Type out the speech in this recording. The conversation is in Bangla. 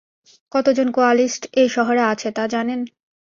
কতজন কোয়ালিস্ট এ শহরে আছে তা জানেন?